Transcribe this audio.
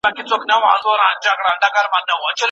آیا د پوهنې په برخه کي اداري فساد له منځه تللی دی؟